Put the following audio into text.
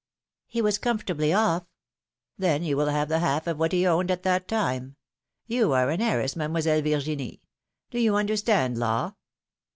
He was comfortably oif." '^Then you will have the half of what he owned at that time! You are an heiress. Mademoiselle Virginie ! Do you understand law